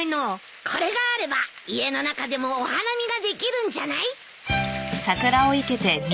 これがあれば家の中でもお花見ができるんじゃない？